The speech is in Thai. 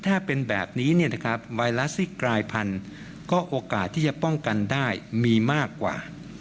ถ้าเป็นแบบนี้ไวรัสที่กลายพันธุ์ก็โอกาสที่จะป้องกันได้มีมากกว่า